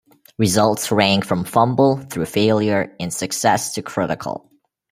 Results rank from fumble through failure and success to critical.